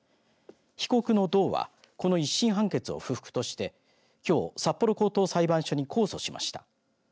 被告の道はこの１審判決を不服としてきょう札幌高等裁判所に控訴しました。